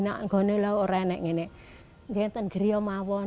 pada saat kami keluar dari rumah kami sudah berdua berdua berdua berduang berdua berdua berduang